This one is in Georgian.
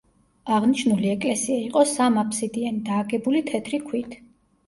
აღნიშნული ეკლესია იყო სამაფსიდიანი და აგებული თეთრი ქვით.